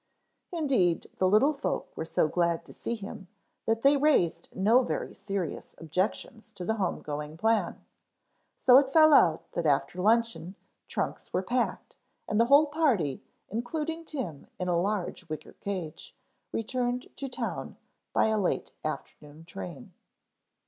Indeed the little folk were so glad to see him that they raised no very serious objections to the home going plan. So it fell out that after luncheon trunks were packed, and the whole party, including Tim in a large wicker cage, returned to town by a late afternoon train.